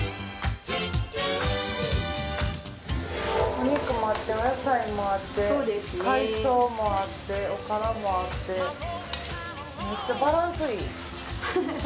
お肉もあってお野菜もあって海藻もあっておからもあってめっちゃバランスいい。